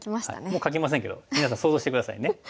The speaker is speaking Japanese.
もう描きませんけど皆さん想像して下さいね。